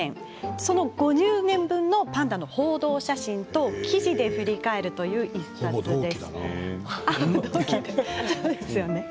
その５０年分をパンダの王道写真と記事で振り返る１冊ですね。